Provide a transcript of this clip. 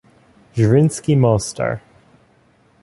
Zrinjski Mostar